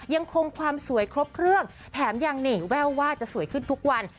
ยังคงความสวยครบเครื่องแถมยังเน่แววว่าจะสวยขึ้นทุกวัน